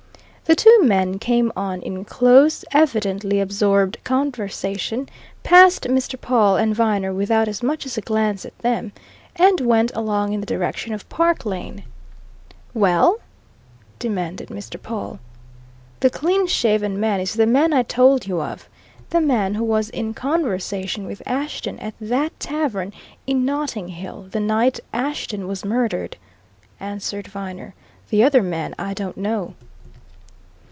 The two men came on in close, evidently absorbed conversation, passed Mr. Pawle and Viner without as much as a glance at them, and went along in the direction of Park Lane. "Well?" demanded Mr. Pawle. "The clean shaven man is the man I told you of the man who was in conversation with Ashton at that tavern in Notting Hill the night Ashton was murdered," answered Viner. "The other man I don't know."